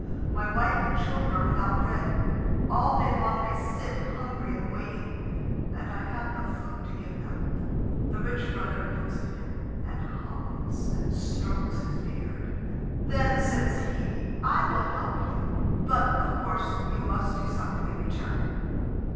My wife and children are without bread. All day long they sit hungry and waiting, and I have no food to give them." The rich brother looks at him, and hums and strokes his beard. Then says he: "I will help you. But, of course, you must do something in return.